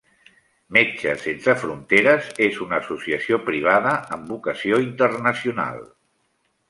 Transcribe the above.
Metges Sense Fronteres és una associació privada amb vocació internacional.